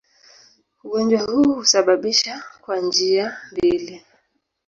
Ugonjwa huu husababishwa kwa njia mbili.